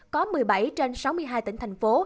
có một mươi bảy trên sáu mươi hai tỉnh thành phố